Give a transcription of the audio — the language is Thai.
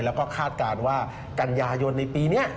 แล้วก็คาดการณ์ว่ากันยายนในปีนี้